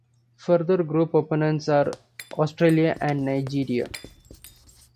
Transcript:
Further group opponents are Australia and Nigeria.